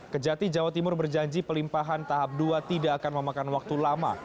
kejati jawa timur berjanji pelimpahan tahap dua tidak akan memakan waktu lama